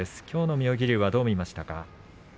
きょうの妙義龍はどう見ましたか。